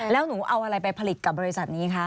แล้วหนูเอาอะไรไปผลิตกับบริษัทนี้คะ